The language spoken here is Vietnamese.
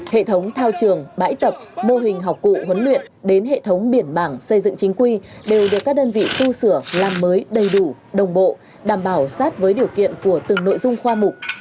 hệ thống thao trường bãi tập mô hình học cụ huấn luyện đến hệ thống biển bảng xây dựng chính quy đều được các đơn vị tu sửa làm mới đầy đủ đồng bộ đảm bảo sát với điều kiện của từng nội dung khoa mục